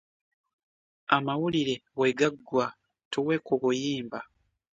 Amawulire bwe gaggwa tuwe ku buyimba.